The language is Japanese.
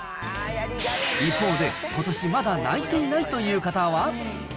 一方で、ことしまだ泣いていないという方は。